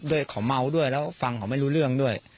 โดยเขาเมาด้วยแล้วฟังเขาไม่รู้เรื่องด้วย